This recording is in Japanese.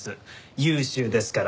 優秀ですから。